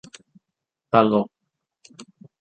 ตลก !